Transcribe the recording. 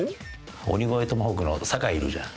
鬼越トマホークの坂井いるじゃん？